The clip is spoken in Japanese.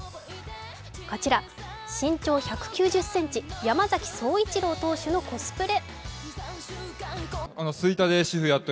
こちら、身長１９０ｃｍ、山崎颯一郎選手のコスプレ。